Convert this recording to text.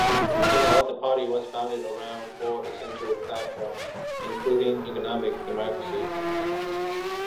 In all, the party was founded around four essential platforms, including economic democracy.